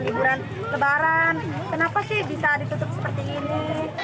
liburan lebaran kenapa sih bisa ditutup seperti ini